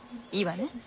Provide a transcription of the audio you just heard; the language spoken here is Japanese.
いいわね？